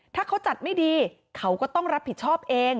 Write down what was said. ถ้าเขาจัดไม่ดีเขาก็ต้องรับผิดชอบเอง